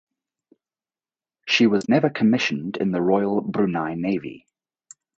She was never commissioned in the Royal Brunei Navy.